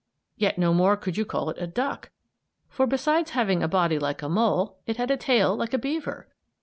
Yet no more could you call it a duck; for, besides having a body like a mole, it had a tail like a beaver.